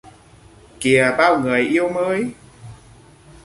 - Kìa bao người yêu mới